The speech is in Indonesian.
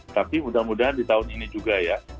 tapi mudah mudahan di tahun ini juga ya